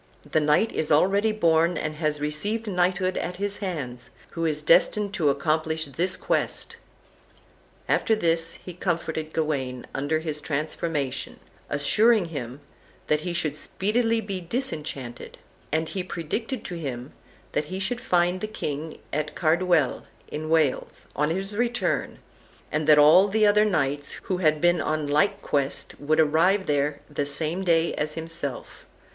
The knight is already born, and has received knighthood at his hands, who is destined to accomplish this quest." And after this he comforted Gawain under his transformation, assuring him that he should speedily be disenchanted; and he predicted to him that he should find the king at Carduel, in Wales, on his return, and that all the other knights who had been on like quest would arrive there the same day as himself.